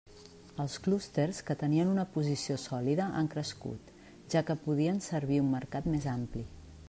Els clústers que tenien una posició sòlida han crescut, ja que podien servir un mercat més ampli.